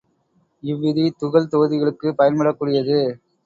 இவ்விதி துகள் தொகுதிகளுக்குப் பயன்படக்கூடியது.